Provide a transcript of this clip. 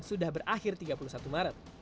sudah berakhir tiga puluh satu maret